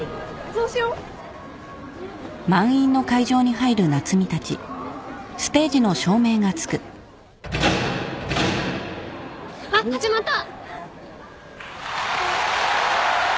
そうしよ！あっ始まった！